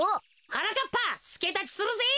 はなかっぱすけだちするぜ。